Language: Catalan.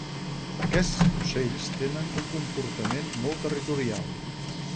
Aquests ocells tenen un comportament molt territorial.